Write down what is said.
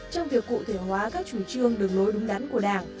trong việc cụ thể hóa các chủ trương đường lối đúng đắn của đảng